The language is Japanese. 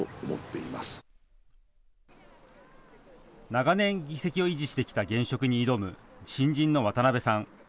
長年、議席を維持してきた現職に挑む新人の渡辺さん。